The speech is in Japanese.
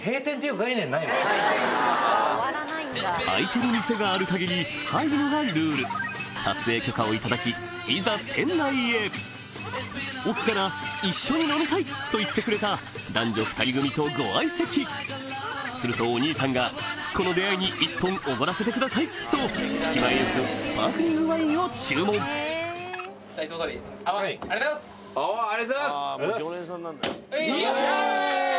開いてる店がある限り入るのがルール撮影許可を頂きいざ店内へ奥からと言ってくれた男女２人組とご相席するとお兄さんがと気前よくスパークリングワインを注文泡ありがとうございます！